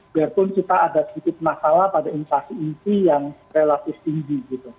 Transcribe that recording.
biarpun kita ada sedikit masalah pada inflasi inti yang relatif tinggi